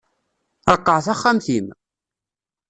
Ṛeqqeɛ taxxamt-im!